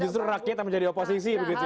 justru rakyat yang menjadi oposisi begitu ya